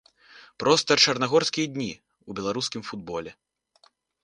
Проста чарнагорскія дні ў беларускім футболе.